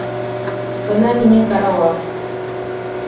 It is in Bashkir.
Бына минең карауат!